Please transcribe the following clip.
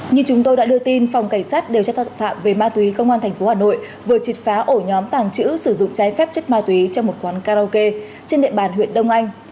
như chúng tôi đã đưa tin phòng cảnh sát điều tra tội phạm về ma túy công an tp hà nội vừa triệt phá ổ nhóm tàng trữ sử dụng trái phép chất ma túy trong một quán karaoke trên địa bàn huyện đông anh